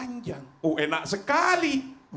panjang oh enak sekali